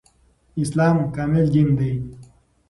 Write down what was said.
اسلام کامل دين ده